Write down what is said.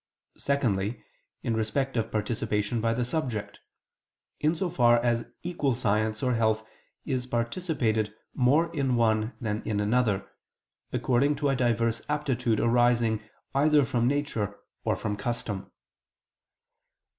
Secondly, in respect of participation by the subject: in so far as equal science or health is participated more in one than in another, according to a diverse aptitude arising either from nature, or from custom.